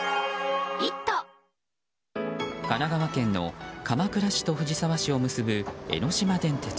神奈川県の鎌倉市と藤沢市を結ぶ江ノ島電鉄